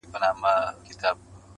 • ته چي صبر کوې ټوله مجبوري ده -